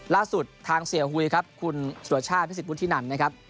ล่าสุดทางเสียหุยครับคุณสุรชาติพิสิทธวุฒินันนะครับ